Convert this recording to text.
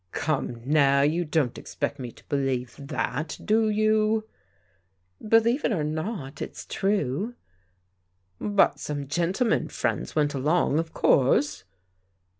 Come now, you don't expect me to believe that, do it ?»* you " Believe it or not, it's true." But some gentlemen friends went along, of course?